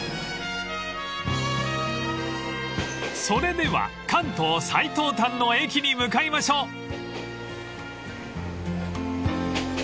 ［それでは関東最東端の駅に向かいましょう］